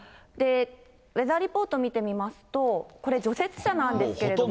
ウェザーリポートを見てみますと、これ、除雪車なんですけれども。